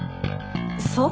そう？